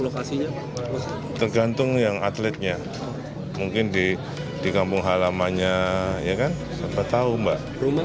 lokasinya tergantung yang atletnya mungkin di di kampung halamannya ya kan siapa tahu mbak rumah